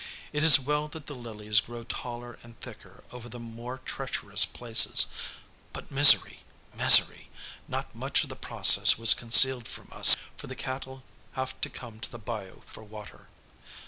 It is well that the lilies grow taller and thicker over the more treacherous places; but, misery! misery! not much of the process was concealed from us, for the cattle have to come to the bayou for water.